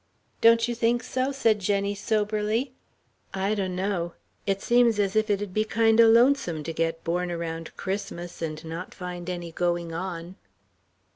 "Don't you think so?" said Jenny, soberly. "I donno. It seems as if it'd be kind o' lonesome to get born around Christmas and not find any going on."